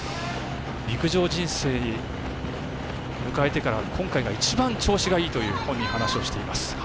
陸上人生、迎えてから今回が一番調子がいいという本人は話をしています。